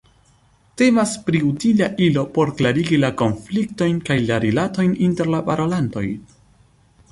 Temas pri utila ilo por klarigi la konfliktojn kaj la rilatojn inter la parolantoj.